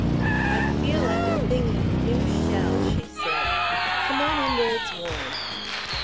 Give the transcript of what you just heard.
"I feel like a thing in a new shell," she said. "Come on in where it's warm."